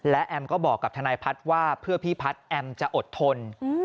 และแอมก็บอกกับทนายพัฒน์ว่าเพื่อพี่พัฒน์แอมจะอดทน